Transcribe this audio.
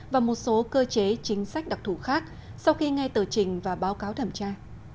và một số cơ chế chính sách đặc thù khác sau khi nghe tờ trình và báo cáo thẩm tra